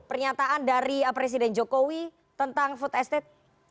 pernyataan dari presiden jokowi tentang food estate